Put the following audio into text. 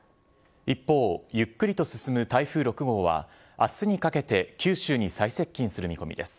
一方、ゆっくりと進む台風６号は、あすにかけて九州に再接近する見込みです。